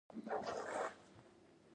ژر ژر یې کارونه پیل کړل.